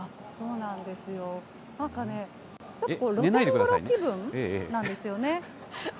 なんかね、ちょっと気分なんですね。